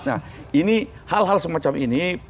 nah ini hal hal semacam ini